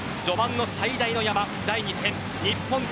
序盤の最大の山、第２戦日本対